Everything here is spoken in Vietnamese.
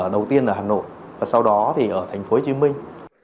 đầu tiên ở hà nội và sau đó thì ở thành phố hồ chí minh